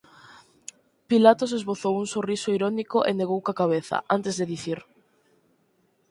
Pilatos esbozou un sorriso irónico e negou coa cabeza, antes de dicir: